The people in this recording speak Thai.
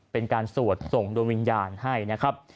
เป็นการสวดส่งโดยวิญญาณให้นะครับ